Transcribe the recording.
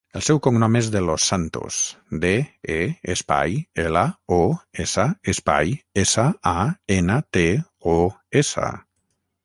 El seu cognom és De Los Santos: de, e, espai, ela, o, essa, espai, essa, a, ena, te, o, essa.